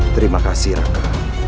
terima kasih raka